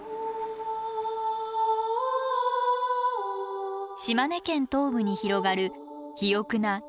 島根県東部に広がる肥沃な出雲平野。